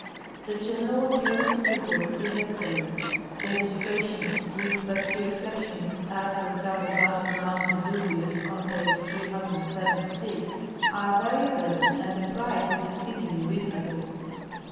The general appearance of the book is excel lent. The illustrations, with but few exceptions (as, for example, that of mount Vesuvius, on page 376), are very good and the price is exceed ingly reasonable.